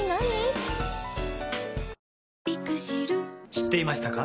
知っていましたか？